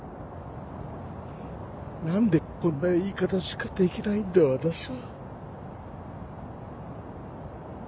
何でこんな言い方しかできないんだ私は。